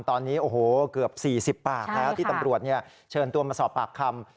ตอนนี้โอ้โหเกือบ๔๐ปากแล้วที่ตำรวจเชิญตัวมาสอบปากคำ